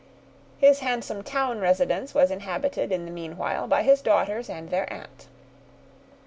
His handsome town residence was inhabited, in the meanwhile, by his daughters and their aunt.